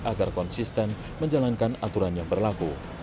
agar konsisten menjalankan aturan yang berlaku